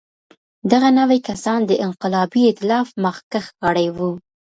دغه نوي کسان د انقلابي اېتلاف مخکښ غړي وو.